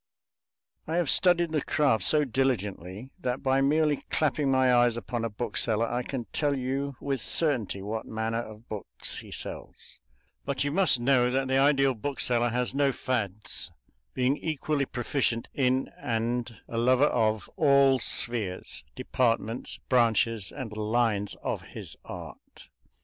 I have studied the craft so diligently that by merely clapping my eyes upon a bookseller I can tell you with certainty what manner of books he sells; but you must know that the ideal bookseller has no fads, being equally proficient in and a lover of all spheres, departments, branches, and lines of his art.